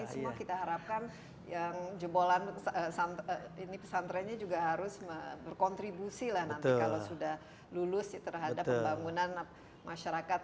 ini semua kita harapkan yang jebolan ini pesantrennya juga harus berkontribusi lah nanti kalau sudah lulus terhadap pembangunan masyarakat